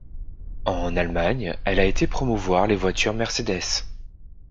En Allemagne, elle a été promouvoir les voitures Mercedes.